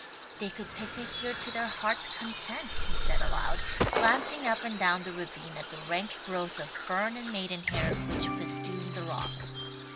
"They could picnic here to their hearts' content," he said aloud, glancing up and down the ravine at the rank growth of fern and maidenhair which festooned the rocks.